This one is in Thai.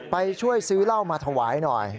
ไปช่วยซื้อเหล้ามาถวายหน่อย